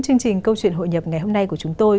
chương trình câu chuyện hội nhập ngày hôm nay của chúng tôi